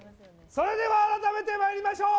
それでは改めて参りましょう。